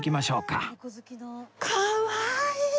かわいい！